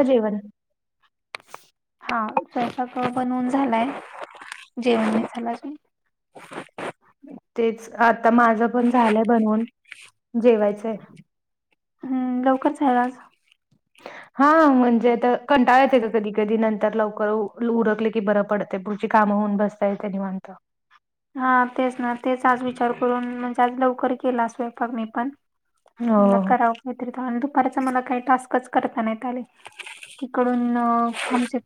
अजेवण हा ससा बनवून झालाय जेवण झालाजून. तेच आता माझं पण झालंय बनून जेवायचंय. हम् लवकरच आहे आज हा म्हणजेता कंटाळ येते का कधी कधी नंतर लवकर उरकले की बरं पडत पुढ काम होऊन बसता त्यांनी माणत. हा तेच ना तेच आज विचार करून म्हणजे आज लवकर केला स्वयंपाक मी पण. हो मला करावं काहीतरी आणि दुपारचा मला काही टास्कच करताना आले. तिकडूनण म्हणजे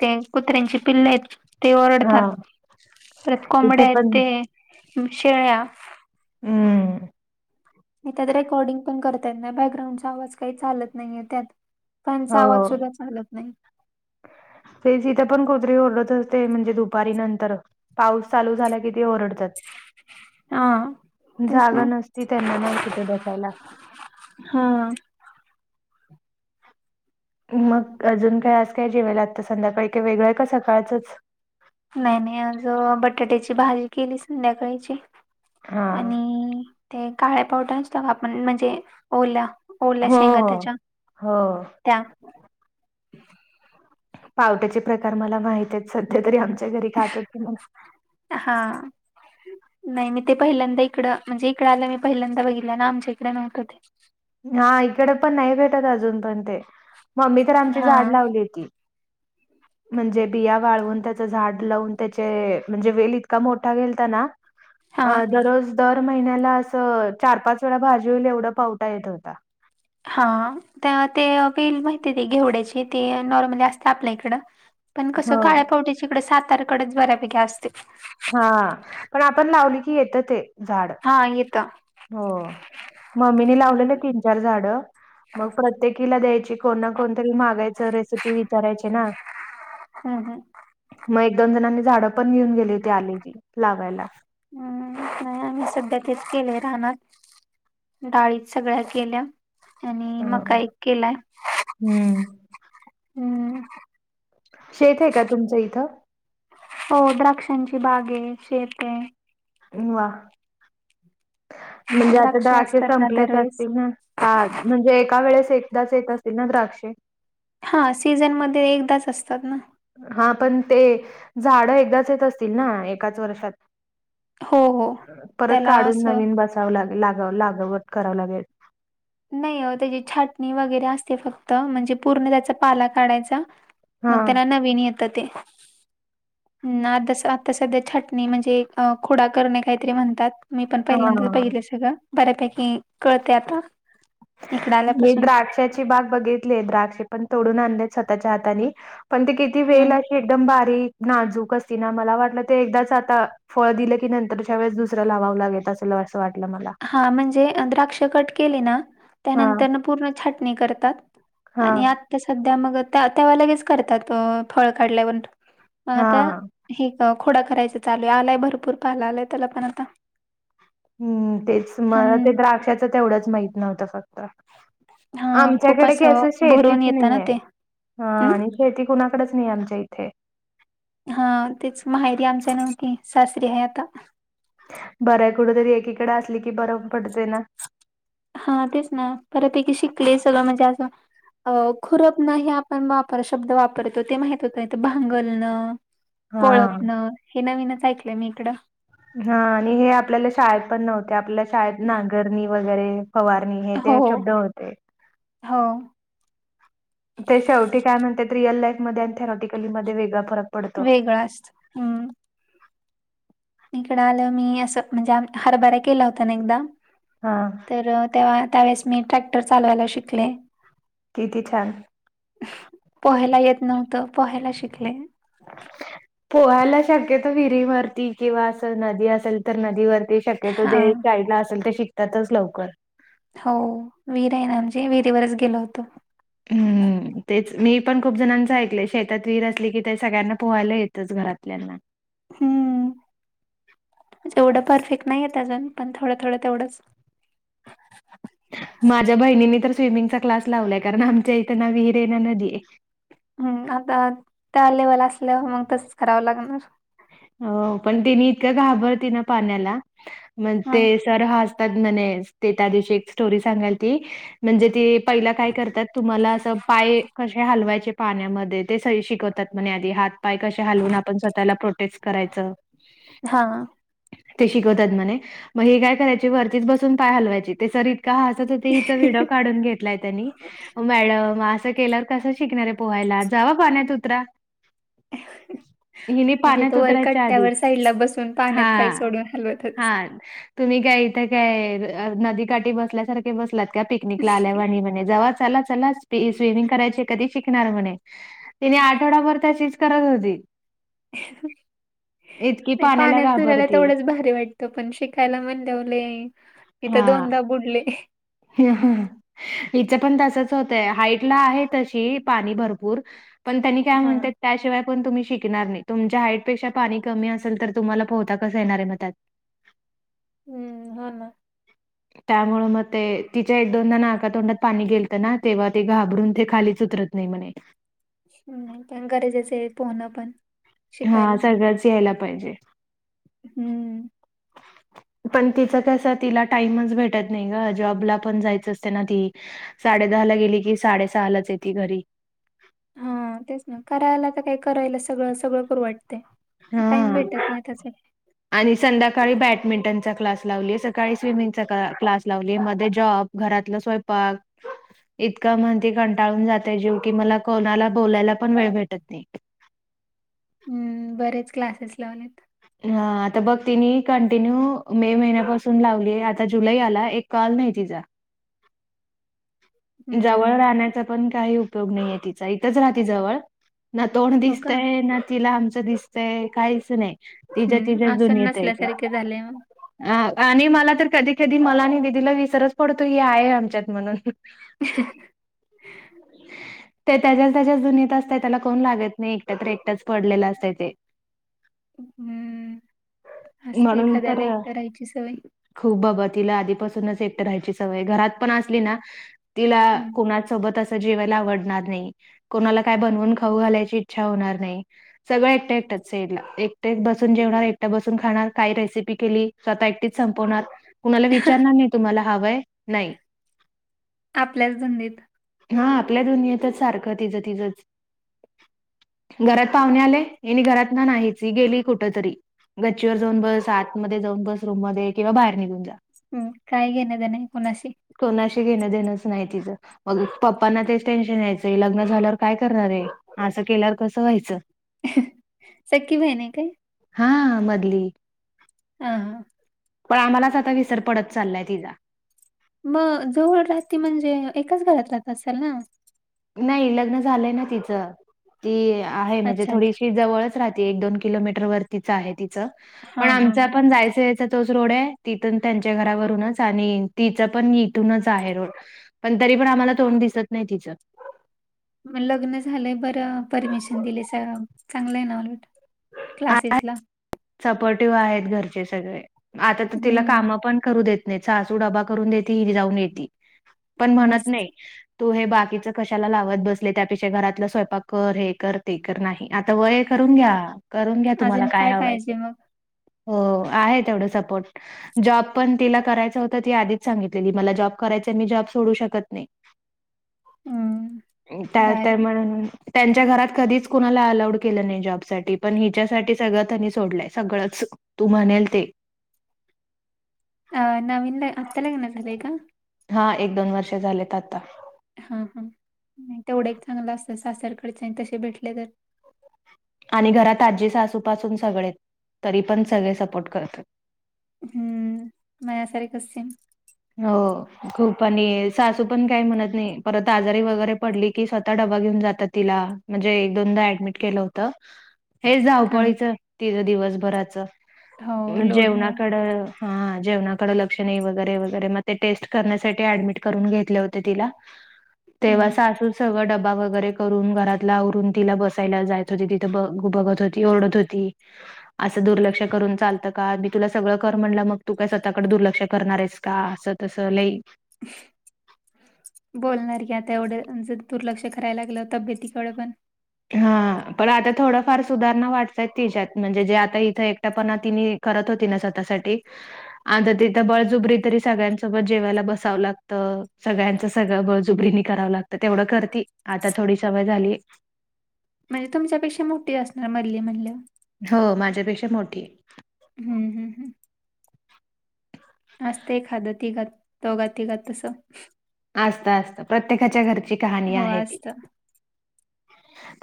ते कुत्र्यांची पिल्ल आहेत. ते हा ओरडतात परत इथे कोंबड्या आहेत पण ते शेळ्या हम्म नाही त्या रेकॉर्डिंग पण करतात ना बॅकग्राऊंडचा आवाज काही चालत नाहीय त्यात हो त्यांचा आवाज सुद्धा चालत नाही. तेज तिथं पण कुत्रीरी ओरडत असते म्हणजे दुपारी नंतर पाऊस चालू झाला कि ते ओरडतात. हा तेच जागा ना नसती त्यांना ना कुठे बसायला हा मग अजून काय आज काय जेवायला आता संध्याकाळी काय वेगळंय का सकाळचंच. नाही नाही अज बटाट्याची भाजी केली संध्याकाळीची हा आणि ते काळ्या पावडर असत का आपण म्हणजे ओला ओला हो शेंगा हो त्याच्या हो त्या पावट्याचे प्रकार मला माहित आहेत सध्या तरी आमच्या घरी खात मला हा नाही मी ते पहिल्यांदा इकडं म्हणजे इकडं आलं मी पहिल्यांदा बघितलं ना आमच्या इकडे नव्हतं ते. हा इकडे पण नाही भेटत अजून पण ते मम्मी तर आमची हा झाड लावली होती. [inaudible] म्हणजे बिया वाळवून त्याचं झाड लावून त्याचे म्हणजे वेल इतका मोठा घेलता ना. हा अ दररोज दर महिन्याला अस चार-पाच वेळा भाजी होईल एवढं पाव पाहिजे होता. हा तर ते बेल माहिती काय घेवड्याची ते नॉर्मली असते आपल्या इकडं. पण कसं हो काळ्या पावटीच्याकडे सातार्याकडेच बऱ्यापैकी असते. हा पण आपण लावली की येतं ते, झाड. हा येता. हो मम्मीनी लावलेले तीन-चार झाड. मग प्रत्येकीला द्यायची कोणा ना कोणतरी मागायचं रेसिपी विचारायचे ना. हा हा. मग एक-दोन जणांनी झाडं पण घेऊन गेली होती आलेची लावायला. हम्म नाही आम्ही सध्या तेच केले राहना. डाळीत सगळ्या केल्या आणि अ मकाई केलाय. हम्म. हम्म. शेत आहे का तुमचं इथं? हो द्राक्षांची बाग आहे शेत आहे. वाह! म्हणजे आता द्राक्ष द्राक्षे असतात ना संपलेच दरवेळेस. असतील ना. का म्हणजे एका वेळेस एकदाच येत असतील ना द्राक्षे. हां, सीझनमध्ये एकदाच असतात ना. हा पण ते झाडं एकदाच येत असतील ना एकाच वर्षात. हो हो परत त्याला काढून असं नवीन बसावं लाग लाग लागवत करावं लागेल. नाही अ त्याची छाटणी वगैरे असते फक्त म्हणजे पूर्ण त्याचा पाला काढायचा. हा मग त्यांना नवीन येत ते, हम् तस तस ते थाटणी म्हणजे खुडा करणे काहीतरी म्हणतात मी पण पहिल्यांदा हा. पहिले सगळं. बऱ्यापैकी कळते आता. इकडे मी आल्यापासून द्राक्षाची बाग बघितली द्राक्ष पण तोडून आणलेत स्वतःच्या हाताने. पण ते किती हम्म वेल अशी एकदम बारीक नाजूक असती ना मला वाटलं ते एकदाच आता फळ दिलं की नंतर त्याच्या वेळेस दुसरं लावावं लागेल असल असं वाटलं मला. हा म्हणजे द्राक्ष कट केले ना हां त्यानंतर पूर्ण छाटणी करतात. हां आणि आत्ता सध्या मग त्या त्याव्हा लगेच करतात फळ काढल्यावर. मग आता हां हे खोडा करायच चालू आहे आलाय भरपूर पाहायला आलाय त्याला पण आता. हम्म तेच मला हं, ते द्राक्षाचं तेवढंच माहित नव्हतं फक्त. हां, खूप आमच्याकडे क असं भरून शेतीत येतं नाही ना आहे, ते. हा अं? आणि. हो ती कुणाकडेच नाही आमच्या इथे. हा तेच माहेरी आमच्या नवकी शाशरी आहे आता. बरंय कुठ तरी एकीकडे असली की बरं पडत ना. हा तेच ना बरपैकी शिकले सगळं म्हणजे असं. खुरपनं हे आपण वापर शब्द वापरतो ते माह होत इथ भांगलनं. हां. कोळपण हे नवीनच ऐकलंय मी इकडं. हा आणि हे आपल्याला शाळेत पण नव्हते आपल्या शाळेत ना गरणी वगैरे फवारणी हे ते हो. शब्द होते. हो ते शेवटी काय म्हणतेत ते रिअल लाईफमध्ये आणि थेरॉटिकलीमध्ये वेगळा फरक पडतो वेगळं असतं. हम्म इकडं आलं मी असं म्हणजे हरभरा केला होता ना एकदा हा. तर तेव्हा त्यावेळेस मी ट्रॅक्टर चालवायला शिकले. किती छान पोहायला येत नव्हतं पोहायला शिकले. पोहायला शक्यतो विहिरीवरती किंवा अस नदी असेल तर नदीवरती शक्यतो हा जे शाईडला असतात ते शिकतातच लवकर. हो विहीर आहे ना आमची विहिरीवरच गेलो होतो. हम्. तेच मी पण खूप जणांच ऐकले शेतात विहिर असली की ते सगळ्यांना पोहायला येतच घरातल्यांना. हम्म एवढं परफेक्ट नाही येत अजूण पण थोडं थोडं तेवढंच माझ्या बहिणीनी तर स्विमिंगचा क्लास लावलाय कारण आमच्या इथं ना विहिर हायना नदीय. हम्म आता त्या लेवल असल्यावर मग तसच करावं लागणार. हो पण तिने इतकं घाबरती ना पाण्याला म्हणते हम्म सर हा असतात म्हणे ते त्या दिवशी एक स्टोरी सांगालती म्हणजे ती पहिला काय करतात तुम्हाला अस पाय कशे हलवायचे. पाण्यामध्ये ते सगळे शिकवतात म्हणे आधी हात पाय कशे हलवून आपण स्वतःला प्रो टेच करायचं. हा ते शिकवतात म्हणे मग हे काय करायचे वरतीच बसून पाय हलवायची ते सरी का हसत होती हिचा व्हिडिओ काढून घेतलाय त्यांनी आवो मॅडम असं केल्यावर कसं शिकणारे पोहायला जाव पान त उतरा. हीनिप म्हणजे तो वर कट्ट्यावर साईडला बसून पाण्यात पाय हा सोडून हलवत होतीस तर हां. तुम्ही काय इथं काय नदीकाठी बसल्यासारख की बसलात का पिकनिकला आल्या वाणी म्हणे जव चला चला स्विप स्विमिंग करायचे कधी शिकणार म्हणे. तिने आठवडाभर त्याचीच करत होती. [inaudible] ए पाण्यात फिरायला तेवढंच भारी वाटतं पण शिकायला म्हणल्या व लई इथ हां. दोनदा बुडले. हिचं पण तसच होतय हाईटला आहे तशी पाणी भरपूर पण त्यांनी काय हा म्हणतायत त्याशिवाय पण तुम्ही शिकणार नाही तुमच्या हाईटपेक्षा पाणी कमी असेल तर तुम्हाला पोहता कसं येणार आहे मग त्यात. हम्म हा ना. त्यामुळे मग ते तिच्या एक दोनदा नाका तोंडात पाणी गेलतं ना तेव्हा ते घाबरून ते खालीच उतरत नाही म्हणे. नाही पण गरजेचय पोहणं पण. हा शिकायला. सगळंच यायला पाहिजे. हम्म. [inaudible] पण तिचं कसं तिला टाइमच भेटत नाही ग जॉबला पण जायचं असते ना ती साडे दहा ला गेली की साडे सहालाच येते घरी हा तेच ना करायला तर काही करायला सगळं सगळं करू वाटते टाइम हा भेटत नाही त्याच आणि संध्याकाळी बॅडमिंटनचा क्लास लावलीय सकाळी स्विमिंगचा का क्लास लावलीय मध्ये जॉब घरातला स्वयंपाक इतका म्हणती कंटाळून जातय जीव की मला कोणाला बोलायला पण वेळ भेटत नाही. बरेच क्लासेस लावलेत. हा, आता बघ तिने कंटिन्यू मे महिन्यापासून लावली, आता जुलै आला एक कॉल नाही तिचा. जवळ हम्म. राहण्याचा पण काही उपयोग नाहीये तिचा, इथंच राहते जवळ ना तोंड हो का दिसतय, ना तिला आमचं दिसतय, काहीच नाही. तिच्या हम्म तिच्या आसन दुनियेत आहे ती. नसल्यासारखे झाले मग. अ आणि मला तर कधी-कधी मला आणि विधीला विसरच पडतो ही आहे आमच्यात म्हणून. ह. ह [inaudible] ते त्याच्याच त्याच्याच दुनित असत, त्याला कोण लागत नाही. एकट तर एकटाच पडलेलं असत ते. [inaudible] हम्म, असते म्हणून एखाद्याला तर एकट राहायची सवय. खूप बाबा, तिला आधीपासूनच एकट राहायची सवय, घरात पण असली ना तिला हम्म कोणा सोबतच जेवायला आवडणार नाही. कोणाला काय बनवून खाऊ घालायची इच्छा होणार नाही. सगळं एकट-एकट साईडला एकटे बसून जेवणार, एकट बसून खाणार, काय रेसिपी केली स्वतः एकटीच संपवणार, कुणाला विचारणार नाही. तुम्हाला हवंय नाही. आपल्याच धंदीत. हा आपल्या दोनियातच सारखं तिचं तिजंच. घरात पाहुणे आले हेनि घरात ना नाहीच गेली कुठ तरी गच्चीवर जाऊन बस, आतमध्ये जाऊन बस, रूम मध्ये किंवा बाहेर निघून जा. हम्म, काही घेन देणं नाही कुणाशी. कोणाशी घेणं देणंच नाही तिचं. मग पप्पांना तेच टेन्शन यायचंय, लग्न झाल्यावर काय करणार आहे. असं केल्यावर कसं व्हायचं. [inaudible] सक्की बहीण आहे काय? हा, मधली. हा हां. पण आम्हालाच आता विसर पडत चाललाय तिचा. मग जवळ राहती म्हणजे, एकाच घरात राहत असाल ना? नाही लग्न झालंय ना तिचं, ती आहे म्हणजे अच्छा अच्छा. थोडीशी जवळच राहते एक-दोन किलोमीटर वरतीच आहे तिच, हा पण हा आमच हा. पण जायचं तिचा तोच रोड आहे. तिथ त्यांच्या घरावरूनच आणि तिचा पण इथूनच आहे रोड. पण तरी पण आम्हाला तोंड दिसत नाही तिचं. मग लग्न झालंय बरं, परमिशन दिलिसा, चांगलं आहे ना उलट. क्लासेस ला. सपोर्टिव्ह आहेत घरचे सगळे, आता तर तिला हम्म काम पण करू देत. सासू डबा करून देती, हि जाऊन येती, पण म्हणत मस्त. नाही. तू हे बाकीच कशाला लावत बसले, त्यापेक्षा घरातलं स्वयंपाक कर, हे कर, ते कर नाही. आता वय करून घ्या, करून घ्या तुम्हाला अजून काय हवय. पाहिजे मग? हो, आहे तेवढं सपोर्ट. जॉब पण तिला करायच होत, ती आधीच सांगितलेली मला जॉब करायच मी जॉब सोडू शकत नाही. हम्म त्यात काय भारी. मग. त्यांच्या घरात कधीच कुला अलाउड केलं नाही जॉबसाठी, पण हिच्यासाठी सगळ त्यांनी सोडलाय, सगळंच तू म्हणेल ते अ नवीन आता लग्न झालंय का? हा, एक दोन वर्ष झालेत आता. हा हा, तेवढं एक चांगलं असत सासरकडचे आणि तसे भेटले तर? आणि घरात आजी सासूपासून सगळे आहेत, तरी पण सगळे सपोर्ट करतात. हम्म! माझ्यासारखच सेम. हो, खूप आणि, सासू पण काही म्हणत नाही. परत आजारी वगैरे पडली की स्वतः डबा घेऊन जातात. तिला म्हणजे, एक दोनदा ऍडमिट केलं होत. हे हा धावपळीचं तिंझ दिवसभराचं, हो लोडमुळं. जेवणाकडं हा, जेवणाकडे लक्षणे वगैरे वगैरेम ते टेस्ट करण्यासाठी ऍडमिट करून घेतलं होतं तिला, तेव्हा हम्म. सासू सगळं डबा वगैरे बा वगैरे करून, घरातला आवरून, तिला बसायला जायत होती, तिथं ब बघत होती, ओरडत होती. असं दुर्लक्ष करून चालतं का? मी तुला सगळं कर म्हणलं, मग तू काय स्वतःकडे दुर्लक्ष करणार आहेस. का? असं तस लई बोलणार की, आता एवढं दुर्लक्ष करायला लागलं तबेतीकडे पण हा, पण आता थोडंफार सुधारणा वाटतय तिच्यात, म्हणजे जे आता इथं एकट्यापणा तिने करत होती ना, स्वतःसाठी आता तिथं बळजुबरी तरी सगळ्यांसोबत जेवायला बसावं लागतं, सगळ्यांच सगळं बळजुबरीनी करावं लागतं, तेवढं करती, आता थोडी सवय झाली. म्हणजे तुमच्यापेक्षा मोठी असणार, मधली म्हणल्यावर. हो, माझ्यापेक्षा मोठी. हम्म हम् हम्. असत एखादं तिघात, दोघा तिघात तसं. असत असत, प्रत्येकाच्या घरची कहाणी हो आहे. असतं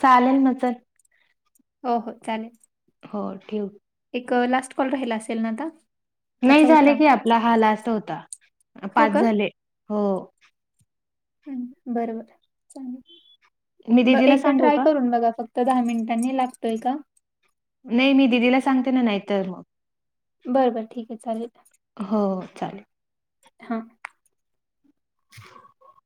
चालेल म, चल. हो हो, चालेल. हो ठेव. एक लास्ट कॉल राहिला असेल ना आता? का नाही झाले चौथा की, आपला हा लास्त होता, हो पाच का झाले, हो. बर बर, मी चालेल ब दीदीला एकदा सांगू ट्राय का? करून बघा फक्त तो दहा मिनिटांनी लागतोय का? नाही मी दिदीला सांगते ना नाहीतर मग बर बर ठीक आहे, चालेल, हो, हो चालेल. हा. [unintelligible] [inaudible]